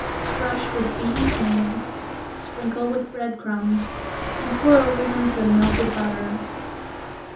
Brush with beaten egg, sprinkle with bread crumbs and pour over them some melted butter.